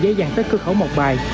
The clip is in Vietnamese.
để dễ dàng tất cư khẩu mộc bài